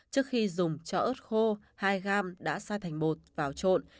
trước khi dùng cho ớt khô hai g đã xay thành bột vào trộn